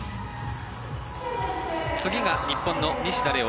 次が日本の西田玲雄